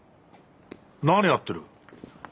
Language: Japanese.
何やってる？